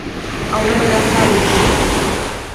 او نه به دا کار وکړي